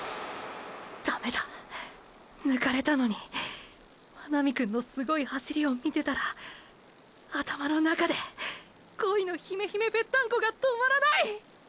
ダメだ抜かれたのに真波くんのすごい走りを見てたら頭の中で「恋のヒメヒメぺったんこ」が止まらない！！